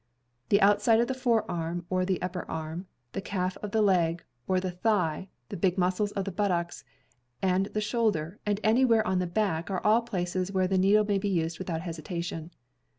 The outside of the forearm or the upper arm, the calf of the leg, or the thigh, the big muscles of the buttocks, and the shoulder, and anywhere on the back are all places where the needle may be used without hesitation.